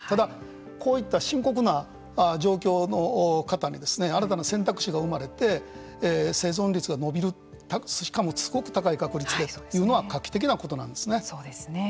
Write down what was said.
ただ、こういった深刻な状況の方に新たな選択肢が生まれて生存率が延びるしかも、すごく高い確率でというのは画期的なことなんですね。